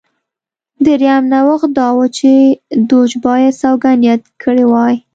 درېیم نوښت دا و چې دوج باید سوګند یاد کړی وای